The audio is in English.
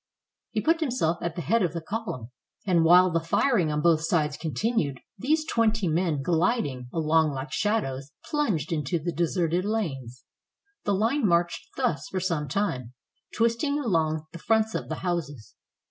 He put himself at the head of the column, and while the firing on both sides continued, these twenty men, gliding along like shadows, plunged into the deserted lanes. The line marched thus for some time, twisting along the fronts of the houses.